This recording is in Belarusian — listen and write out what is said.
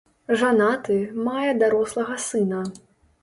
Жанаты, мае дарослага сына.